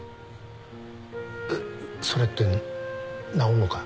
それって治んのか？